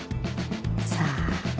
さあ。